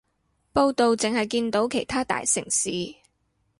報導淨係見到其他大城市